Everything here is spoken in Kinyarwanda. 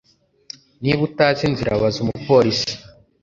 Niba utazi inzira baza umupolisi